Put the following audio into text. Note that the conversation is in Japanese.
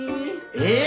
えっ！？